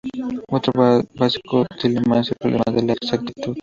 Otro básico dilema es el problema de la exactitud.